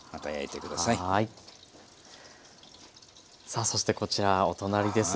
さあそしてこちらお隣です。